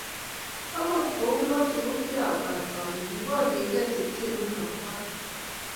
Akut kou notok kikiabwaat ole kiporyegei tupchenyu akobo anee.